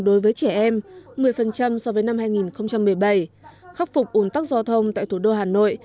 đối với trẻ em một mươi so với năm hai nghìn một mươi bảy khắc phục ủn tắc giao thông tại thủ đô hà nội